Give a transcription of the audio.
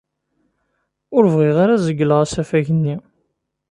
Ur bɣiɣ ara ad zegleɣ asafag-nni.